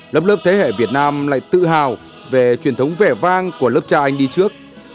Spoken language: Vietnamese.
lớp lớp thế hệ việt nam lại tự hào về truyền thống vẻ vang của lớp cha anh đi trước